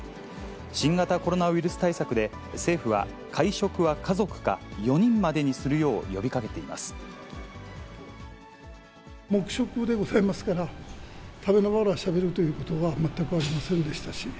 新型コロナウイルス対策で、政府は会食は家族か、４人までに黙食でございますから、食べながらしゃべるということは、全くありませんでしたし。